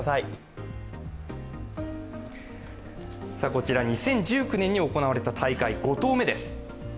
こちら、２０１９年に行なわれた大会５投目です。